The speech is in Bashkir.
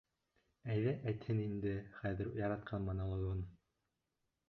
Әйҙә әйтһен инде хәҙер яратҡан монологын!